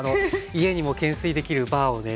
家にも懸垂できるバーをね